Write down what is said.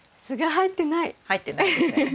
入ってないですね。